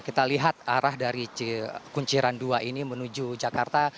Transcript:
kita lihat arah dari kunciran dua ini menuju jakarta